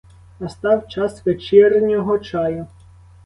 Настав час вечірнього чаю.